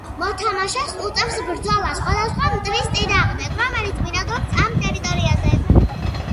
მოთამაშეს უწევს ბრძოლა სხვადასხვა მტრის წინააღმდეგ, რომელიც ბინადრობს ამ ტერიტორიაზე.